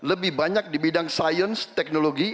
lebih banyak di bidang sains teknologi